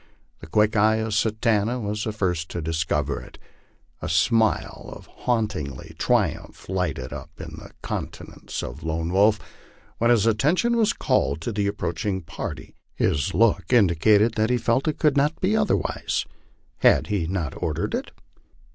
The quick eye of Satanta was the first to discover it. A smile of haughty triumph lighted up the coun tenance of Lone Wolf when his attention was called to the approaching party, his look indicating that he felt it could not be otherwise : had he not ordered it?